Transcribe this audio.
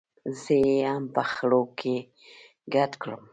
زه یې هم په خړو کې ګډ کړم.